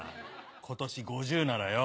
今年５０ならよ。